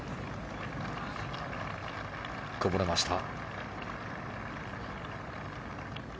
こぼれました。